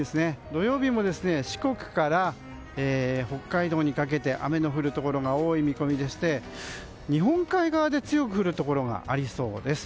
土曜日も四国から北海道にかけて雨の降るところが多い見込みでして日本海側で強く降るところがありそうです。